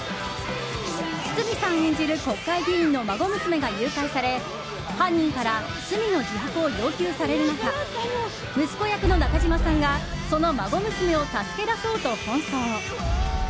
堤さん演じる国会議員の孫娘が誘拐され犯人から罪の自白を要求される中息子役の中島さんがその孫娘を助け出そうと奔走。